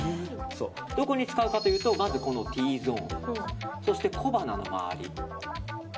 どこに使うかというとまずＴゾーンそして小鼻の周り